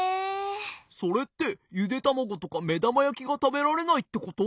それってゆでたまごとかめだまやきがたべられないってこと？